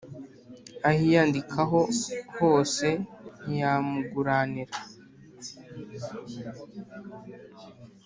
ahiyandikaho hose ntiyamuguranira